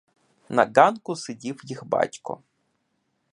На ґанку сидів їх батько.